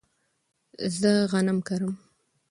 زه غنم کرم